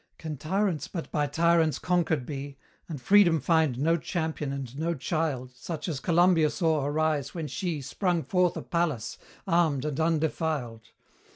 Can tyrants but by tyrants conquered be, And Freedom find no champion and no child Such as Columbia saw arise when she Sprung forth a Pallas, armed and undefiled?